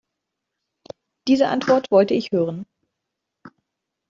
Diese Antwort wollte ich hören.